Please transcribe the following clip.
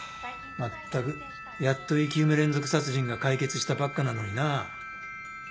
まったくやっと生き埋め連続殺人が解決したばっかなのにな。